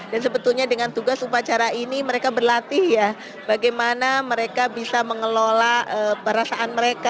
dan sebetulnya dengan tugas upacara ini mereka berlatih ya bagaimana mereka bisa mengelola perasaan mereka